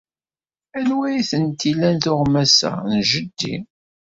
Anwa ay tent-ilan tuɣmas-a? N jeddi.